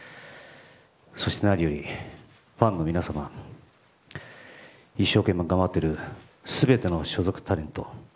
そして、何よりファンの皆様一生懸命頑張っている全ての所属タレント